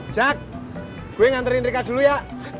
jak gue nganterin reka dulu ya